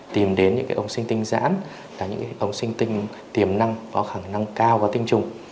tìm đến những ông sinh tinh giãn là những ông sinh tinh tiềm năng có khả năng cao vào tình trùng